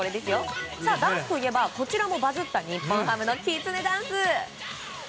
ダンスといえばこちらもバズった日本ハムのきつねダンス！